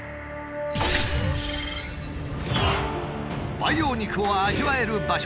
培養肉を味わえる場所